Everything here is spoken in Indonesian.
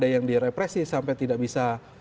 yang direpresi sampai tidak bisa